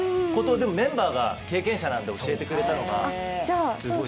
メンバーが経験者なので教えてくれたのがすごい。